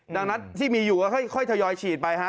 ดังนั้นที่มีอยู่ก็ค่อยทยอยฉีดไปฮะ